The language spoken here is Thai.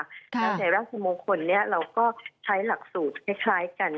แล้วในราชมงคลนี้เราก็ใช้หลักสูตรคล้ายกัน